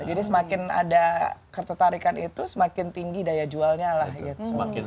jadi semakin ada ketertarikan itu semakin tinggi daya jualnya lah gitu